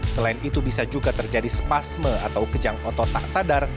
selain itu bisa juga terjadi spasme atau kejang otot tak sadar